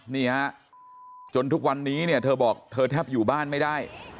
นี่ฮะจนทุกวันนี้เนี่ยเธอบอกเธอแทบอยู่บ้านไม่ได้